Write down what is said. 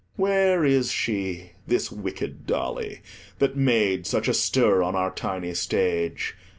Where is she, this wicked dolly, that made such a stir on our tiny stage?